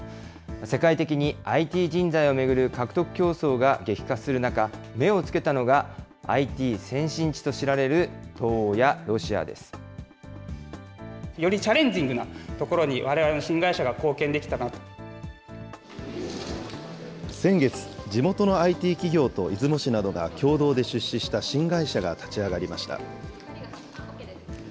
世界的にＩＴ人材を巡る獲得競争が激化する中、目をつけたのが、ＩＴ先進地と知られる東欧やロシ先月、地元のＩＴ企業と出雲市などが共同で出資した新会社が立ち上がりました。